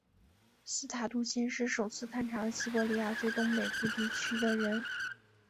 斯塔杜欣是首次探查了西伯利亚最东北部地区的人。